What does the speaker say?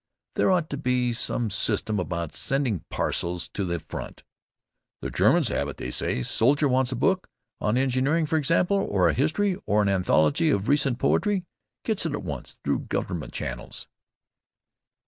"There ought to be some system about sending parcels to the front." "The Germans have it, they say. Soldier wants a book, on engineering, for example, or a history, or an anthology of recent poetry. Gets it at once through Government channels."